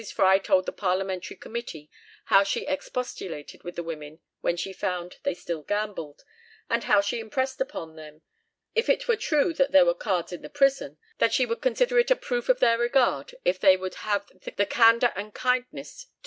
Fry told the Parliamentary committee how she expostulated with the women when she found they still gambled, and how she impressed upon them, "if it were true that there were cards in the prison," that she should consider it a proof of their regard if they would have the candour and kindness to bring her their packs.